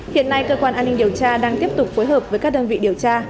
hiện nay cơ quan an ninh điều tra đang tiếp tục phối hợp với các đơn vị điều tra